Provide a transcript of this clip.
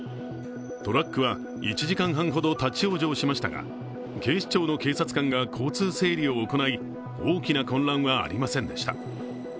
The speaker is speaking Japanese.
トラックは１時間半ほど立往生しましたが、警視庁の警察官が交通整理を行い、大きな混乱はありませんでした。